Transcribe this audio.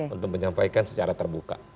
untuk menyampaikan secara terbuka